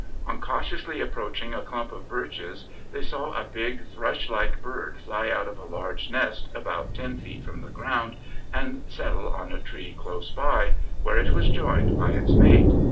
On cautiously approaching a clump of birches they saw a big, thrush like bird fly out of a large nest about ten feet from the ground, and settle on a tree close by, where it was joined by its mate.